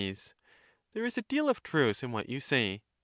There is a deal of truth in what you say.